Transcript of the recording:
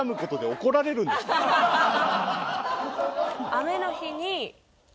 雨の日に。